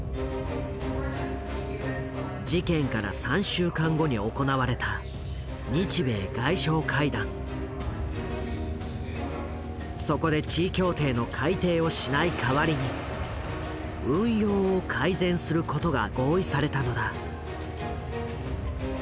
事件から３週間後に行われたそこで地位協定の改定をしない代わりに運用を改善することが合意されたのだ。